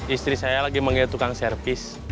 istri saya lagi manggil tukang servis